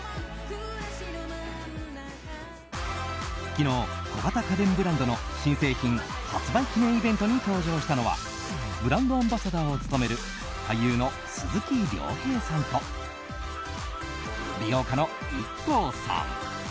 昨日、小型家電ブランドの新製品発売記念イベントに登場したのはブランドアンバサダーを務める俳優の鈴木亮平さんと美容家のＩＫＫＯさん。